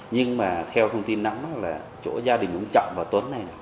nhưng mà theo thông tin nắm là chỗ gia đình ông trọng và tuấn này